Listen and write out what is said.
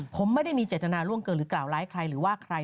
ผมไม่ได้มีเจตนาล่วงเกินหรือกล่าวร้ายใครหรือว่าใคร